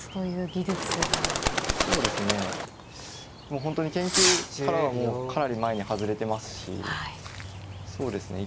もう本当に研究からはもうかなり前に外れてますしそうですね